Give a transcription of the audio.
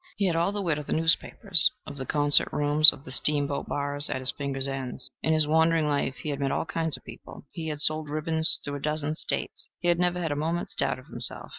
He had all the wit of the newspapers, of the concert rooms, of the steamboat bars at his fingers' ends. In his wandering life he had met all kinds of people: he had sold ribbons through a dozen States. He never had a moment's doubt of himself.